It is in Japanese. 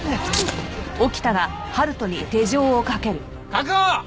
確保！